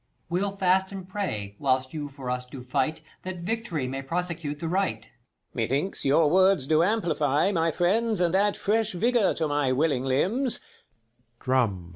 Per. We'll fast and pray, whilst you for us do fight, 3 5 That victory may prosecute the right. King. Methinks, your words do amplify (my friends) And add fresh vigour to my willing limbs : [Drum.